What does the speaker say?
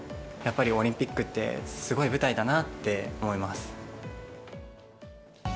やっぱりオリンピックって、すごい舞台だなって思います。